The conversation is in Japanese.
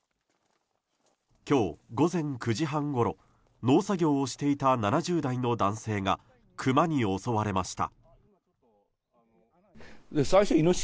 今日、午前９時半ごろ農作業をしていた７０代の男性がクマに襲われました。